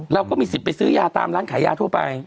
เราก็มีสิทธิ์ไปซื้อยาตามร้านขายยาทั่วไป